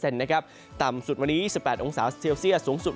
นะครับต่ำสุดวันนี้๑๘องศาเซลเซียสสูงสุดวัน